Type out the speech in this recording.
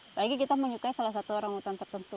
apalagi kita menyukai salah satu orangutan tertentu